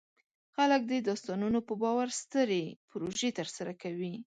خلک د داستانونو په باور سترې پروژې ترسره کوي.